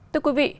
thưa quý vị